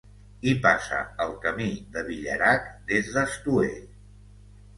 Hi passa el Camí de Villerac, des d'Estoer.